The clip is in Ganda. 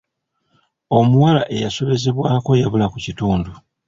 Omuwala eyasobezebwako yabula ku kitundu.